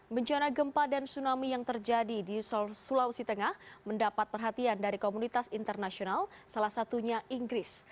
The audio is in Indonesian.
bencana gempa dan tsunami yang terjadi di sulawesi tengah mendapat perhatian dari komunitas internasional salah satunya inggris